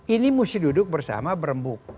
ini mesti duduk bersama berembuk